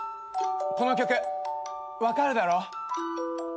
この曲分かるだろ？